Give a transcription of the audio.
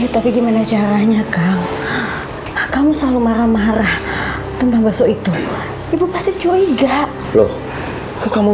tapi gimana caranya kang kamu selalu marah marah tentang bakso itu ibu pasti curiga loh ke kamu